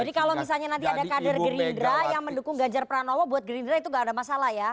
jadi kalau misalnya nanti ada kader gerindra yang mendukung ganjar pranowo buat gerindra itu gak ada masalah ya